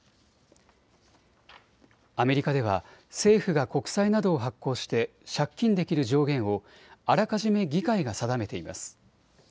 アメリカでは政府が国債などを発行して借金できる上限をあらかじめ議会が定めています。